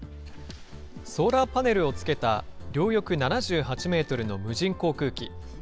ソーラーパネルを付けた両翼７８メートルの無人航空機。